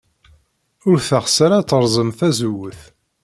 Ur teɣs ara ad terẓem tazewwut.